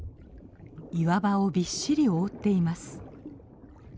岩場をびっしり覆っています。